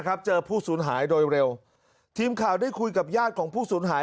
เจอผู้สูญหายโดยเร็วทีมข่าวได้คุยกับญาติของผู้สูญหาย